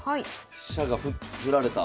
飛車が振られた。